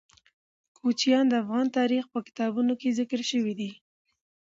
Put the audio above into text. کوچیان د افغان تاریخ په کتابونو کې ذکر شوی دي.